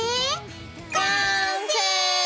完成！